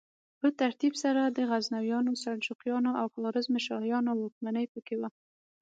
په ترتیب سره د غزنویانو، سلجوقیانو او خوارزمشاهیانو واکمني پکې وه.